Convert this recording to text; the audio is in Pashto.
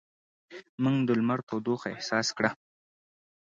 موږ د لمر تودوخه احساس کړه.